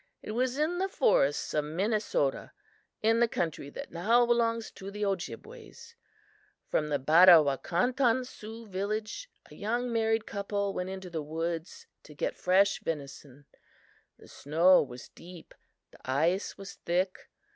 "It was in the forests of Minnesota, in the country that now belongs to the Ojibways. From the Bedawakanton Sioux village a young married couple went into the woods to get fresh venison. The snow was deep; the ice was thick.